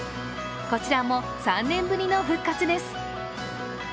こちらも３年ぶりの復活です。